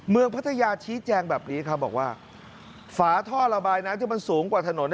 พัทยาชี้แจงแบบนี้ครับบอกว่าฝาท่อระบายน้ำที่มันสูงกว่าถนน